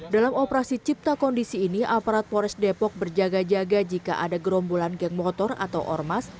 dalam operasi cipta kondisi ini aparat pores depok berjaga jaga jika ada gerombolan geng motor atau ormas